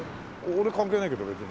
俺関係ないけど別に。